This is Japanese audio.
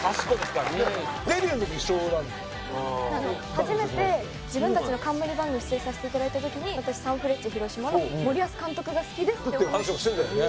初めて自分たちの冠番組に出演させて頂いた時に私サンフレッチェ広島の森保監督が好きですってお話。って話をしてたよね。